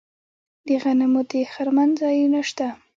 د غنمو د خرمن ځایونه شته.